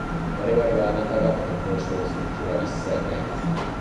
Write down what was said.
我々は、あなた方と交渉をする気は一切ない。